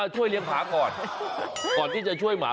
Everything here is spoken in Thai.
เลี้ยงหมาก่อนก่อนที่จะช่วยหมา